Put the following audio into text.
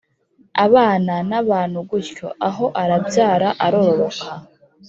abana n’abantu gutyo, aho, arabyara, arororoka.